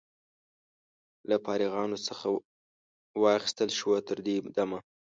له فارغانو څخه واخیستل شوه. تر دې دمه